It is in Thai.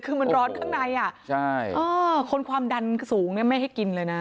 คือมันร้อนข้างในคนความดันสูงไม่ให้กินเลยนะ